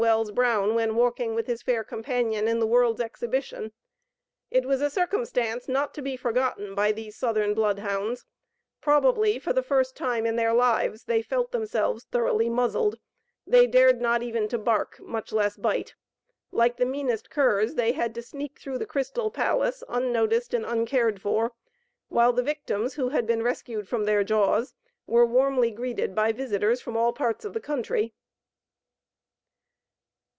Wells Brown, when walking with his fair companion in the World's Exhibition. It was a circumstance not to be forgotten by these Southern Bloodhounds. Probably, for the first time in their lives, they felt themselves thoroughly muzzled; they dared not even to bark, much less bite. Like the meanest curs, they had to sneak through the Crystal Palace, unnoticed and uncared for; while the victims who had been rescued from their jaws, were warmly greeted by visitors from all parts of the country.